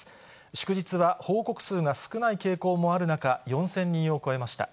祝日は報告数が少ない傾向もある中、４０００人を超えました。